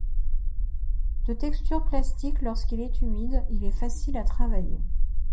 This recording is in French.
De texture plastique lorsqu'il est humide, il est facile à travailler.